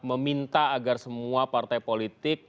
meminta agar semua partai politik